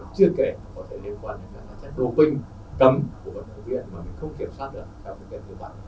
chưa kể có thể liên quan đến các trách đồ kinh cầm của vận động viên mà mình không kiểm soát được